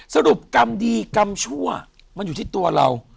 สรุปกรรมดีกรรมชั่วมันอยู่ที่ตัวเรา